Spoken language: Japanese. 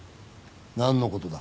何のことだ？